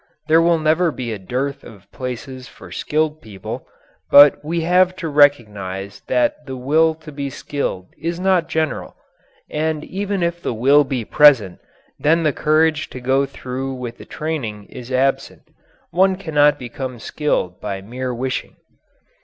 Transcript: There will never be a dearth of places for skilled people, but we have to recognize that the will to be skilled is not general. And even if the will be present, then the courage to go through with the training is absent. One cannot become skilled by mere wishing.